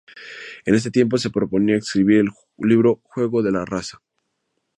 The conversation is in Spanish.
En este tiempo se proponía escribir el libro "Jugo de la Raza".